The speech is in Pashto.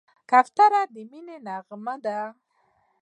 کوتره د مینې نغمه ده.